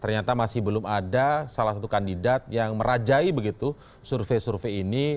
ternyata masih belum ada salah satu kandidat yang merajai begitu survei survei ini